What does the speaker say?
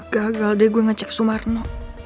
gagal deh gue ngecek sumarno